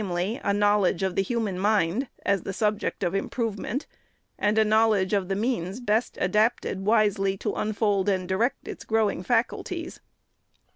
a knowledge of the human mind, as the subject of improvement ; and a knowledge of the means best adapted wisely to unfold and direct its growing faculties.